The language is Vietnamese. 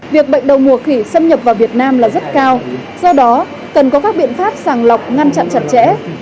việc bệnh đầu mùa khỉ xâm nhập vào việt nam là rất cao do đó cần có các biện pháp sàng lọc ngăn chặn chặt chẽ